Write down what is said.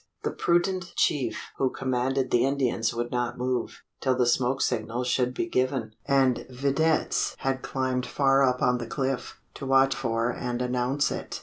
The prudent chief who commanded the Indians would not move, till the smoke signal should be given; and videttes had climbed far up on the cliff, to watch for and announce it.